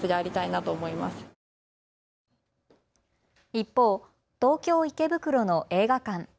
一方、東京池袋の映画館。